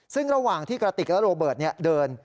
ซึ่งระหว่างที่กระติกและโรเบิร์ตเดิน